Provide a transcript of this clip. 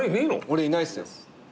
俺いないっすよ。